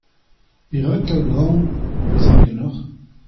Perak kaout aon pa vezan ganeoc'h ?